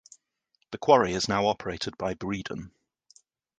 The quarry is now operated by Breedon.